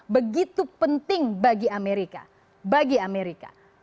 begitu penting bagi amerika